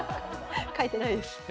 書いてないです。